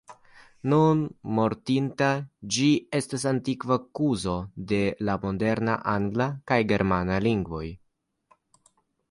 Nun mortinta, ĝi estas antikva kuzo de la moderna angla kaj germana lingvoj.